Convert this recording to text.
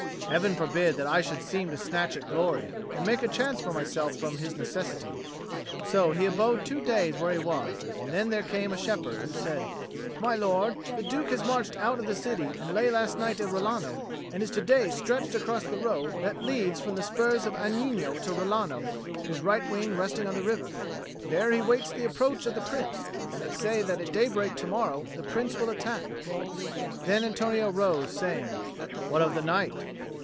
"Heaven forbid that I should seem to snatch at glory, and make a chance for myself from his necessity." So he abode two days where he was; and then there came a shepherd, who said, "My lord, the Duke has marched out of the city and lay last night at Rilano, and is to day stretched across the road that leads from the spurs of Agnino to Rilano, his right wing resting on the river. There he waits the approach of the Prince; and they say that at daybreak to morrow the Prince will attack." Then Antonio rose, saying, "What of the night?"